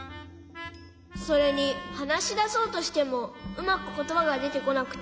それにはなしだそうとしてもうまくことばがでてこなくて。